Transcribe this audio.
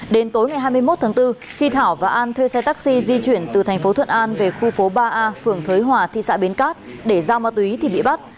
đến tối ngày hai mươi một tháng bốn khi thảo và an thuê xe taxi di chuyển từ thành phố thuận an về khu phố ba a phường thới hòa thị xã bến cát để giao ma túy thì bị bắt